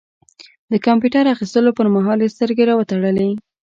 د کمپيوټر اخيستلو پر مهال يې سترګې را وتړلې.